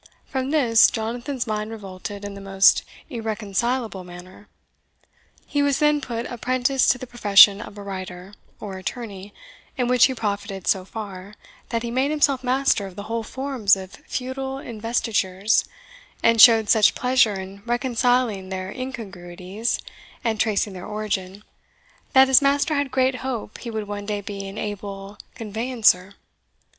From this Jonathan's mind revolted in the most irreconcilable manner. He was then put apprentice to the profession of a writer, or attorney, in which he profited so far, that he made himself master of the whole forms of feudal investitures, and showed such pleasure in reconciling their incongruities, and tracing their origin, that his master had great hope he would one day be an able conveyancer.